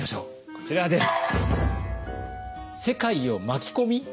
こちらです！